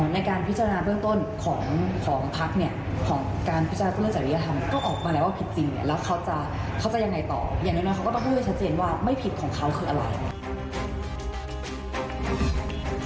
ในชั้นของกระบวนการกับประตอ